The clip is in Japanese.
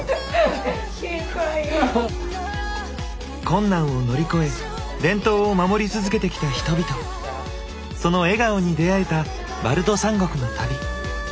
困難を乗り越え伝統を守り続けてきた人々その笑顔に出会えたバルト三国の旅。